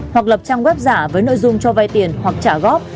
hoặc lập trang web giả với nội dung cho vay tiền hoặc trả góp